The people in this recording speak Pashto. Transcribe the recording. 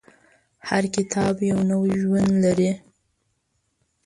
هر کتاب یو نوی ژوند لري.